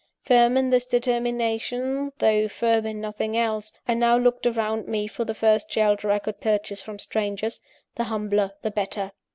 Firm in this determination, though firm in nothing else, I now looked around me for the first shelter I could purchase from strangers the humbler the better.